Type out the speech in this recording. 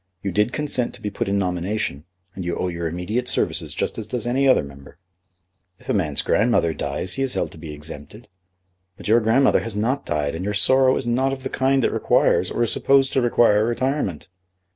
"You did consent to be put in nomination, and you owe your immediate services just as does any other member." "If a man's grandmother dies he is held to be exempted." "But your grandmother has not died, and your sorrow is not of the kind that requires or is supposed to require retirement."